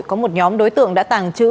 có một nhóm đối tượng đã tàng trữ